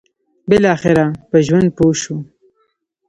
بالاخره په ژوند پوه شو.